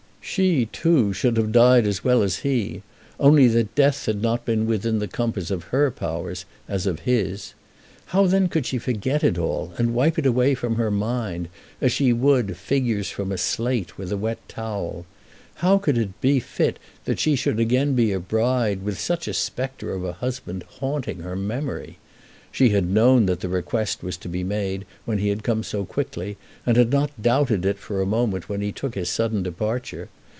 She, too, should have died as well as he, only that death had not been within the compass of her powers as of his. How then could she forget it all, and wipe it away from her mind, as she would figures from a slate with a wet towel? How could it be fit that she should again be a bride with such a spectre of a husband haunting her memory? She had known that the request was to be made when he had come so quickly, and had not doubted it for a moment when he took his sudden departure.